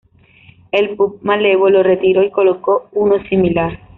El Pub Malevo lo retiró y colocó uno similar.